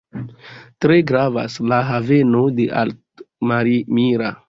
Tre gravas la haveno de Altamira.